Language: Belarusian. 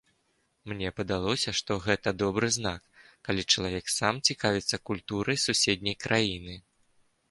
Мне падалося, што гэта добры знак, калі чалавек сам цікавіцца культурай суседняй краіны.